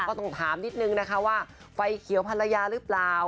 ก็ต้องถามนิดนึงนะคะว่าไฟเขียวภรรยาหรือเปล่า